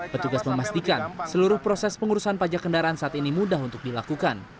petugas memastikan seluruh proses pengurusan pajak kendaraan saat ini mudah untuk dilakukan